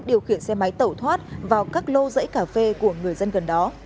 điều khiển xe máy tẩu thoát vào các lô rẫy cà phê của người dân gần đó